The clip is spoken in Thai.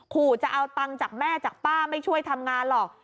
ขู่จะเอาตังค์จากแม่จากป้าไม่ช่วยทำงานหรอก